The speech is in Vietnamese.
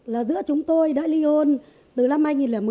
là giữa chúng tôi đã ly hôn từ năm hai nghìn một mươi